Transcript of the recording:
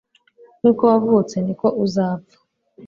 Nkuko wavutse niko uzapfa